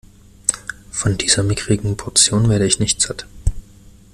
Von dieser mickrigen Portion werde ich nicht satt.